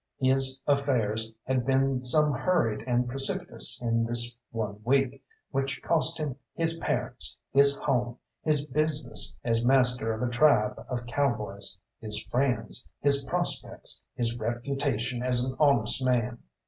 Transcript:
His affairs had been some hurried and precipitous in this one week, which cost him his parents, his home, his business as master of a tribe of cowboys, his friends, his prospects, his reputation as an honest man.